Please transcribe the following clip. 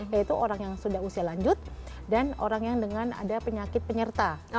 yaitu orang yang sudah usia lanjut dan orang yang dengan ada penyakit penyerta